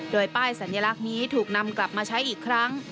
โดยป้ายสัญลักษณ์นี้ถูกนำกลับมาใช้อีกครั้ง